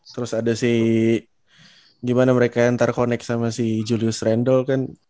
terus ada sih gimana mereka ntar connect sama si julius randall kan